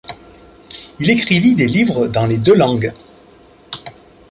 Il écrivit des livres dans les deux langues.